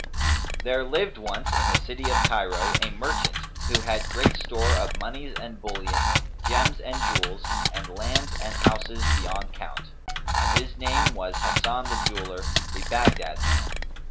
There lived once, in the city of Cairo, a merchant who had great store of monies and bullion, gems and jewels, and lands and houses beyond count, and his name was Hasan the Jeweller, the Baghdad man.